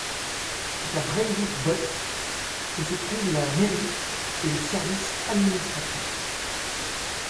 C'est à Breivikbotn que se trouvent la mairie et les services administratifs.